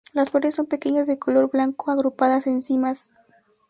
Las flores son pequeñas de color blanco agrupadas en cimas.